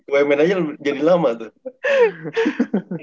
wmn aja jadi lama tuh